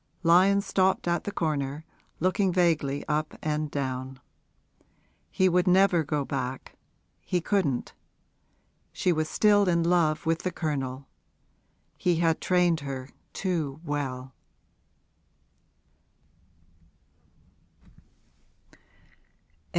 Lyon stopped at the corner, looking vaguely up and down. He would never go back he couldn't. She was still in love with the Colonel he had trained her too well.